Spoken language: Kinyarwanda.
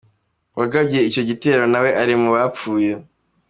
Uwagabye icyo gitero nawe ari mu bapfuye.